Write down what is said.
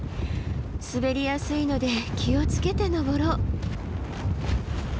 滑りやすいので気を付けて登ろう。